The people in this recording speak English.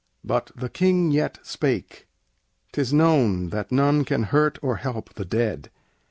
But the King yet spake: "'Tis known that none can hurt or help the dead.